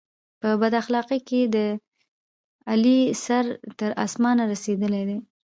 په بد اخلاقی کې د علي سر تر اسمانه رسېدلی دی.